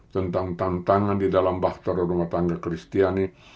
tentang tantangan di dalam bahtera roma tangga kristiani